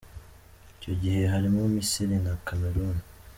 Icyo gihe harimo Misiri na Cameroun .